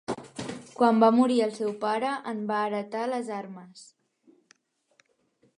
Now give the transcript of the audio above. Quan va morir el seu pare, en va heretar les armes.